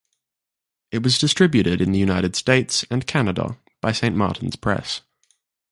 It was distributed in the United States and Canada by Saint Martin's Press.